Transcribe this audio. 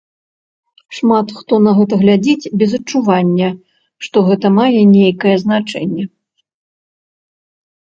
Шмат хто на гэта глядзіць без адчування, што гэта мае нейкае значэнне.